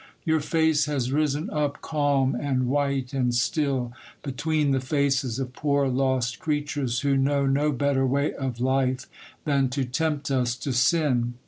Your face has risen up calm and white and still, between the faces of poor lost creatures who know no better way of life than to tempt us to sin.